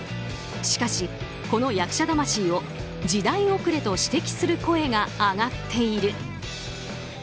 しかし、この役者魂を時代遅れと指摘する声が上がっている。